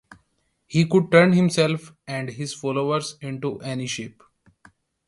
He could turn himself and his followers into any shape.